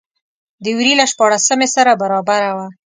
د وري له شپاړلسمې سره برابره وه.